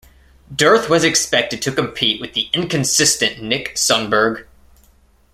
Dearth was expected to compete with the "inconsistent" Nick Sundberg.